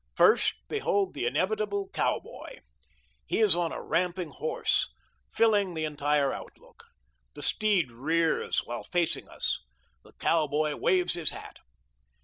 First, behold the inevitable cowboy. He is on a ramping horse, filling the entire outlook. The steed rears, while facing us. The cowboy waves his hat.